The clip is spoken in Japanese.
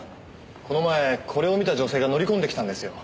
この前これを見た女性が乗り込んできたんですよ。